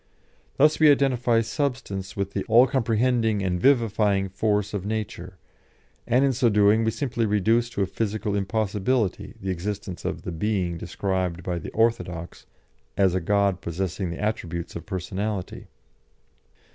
Thus we identify substance with the all comprehending and vivifying force of nature, and in so doing we simply reduce to a physical impossibility the existence of the Being described by the orthodox as a God possessing the attributes of personality.